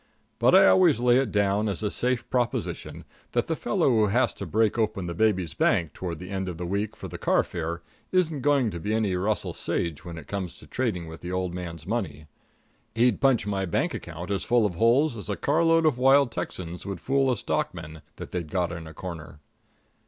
But I always lay it down as a safe proposition that the fellow who has to break open the baby's bank toward the last of the week for car fare isn't going to be any Russell Sage when it comes to trading with the old man's money. He'd punch my bank account as full of holes as a carload of wild Texans would a fool stockman that they'd got in a corner.